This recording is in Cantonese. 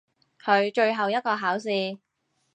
佢最後一個考試！